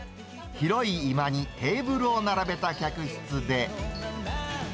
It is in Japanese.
広い居間にテーブルを並べた客室で。